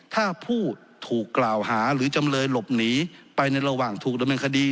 ถ้าผู้ถูกกล่าวหาหรือจำเลยหลบหนีไปในระหว่างถูกดำเนินคดี